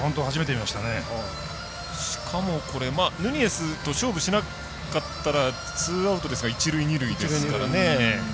しかも、ヌニエスと勝負しなかったらツーアウトですが一塁二塁ですからね。